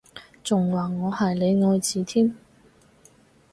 仲話我係你愛子添？